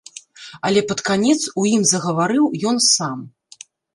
Але пад канец у ім загаварыў ён сам.